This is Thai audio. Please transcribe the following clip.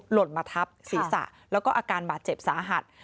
หล่นมาทับศีรษะแล้วก็อาการบาดเจ็บสาหัส